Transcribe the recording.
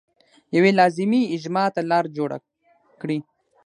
یوې لازمي اجماع ته لار جوړه کړي.